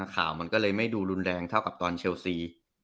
ข่าวมันก็เลยไม่ดูรุนแรงเท่ากับตอนเชลซี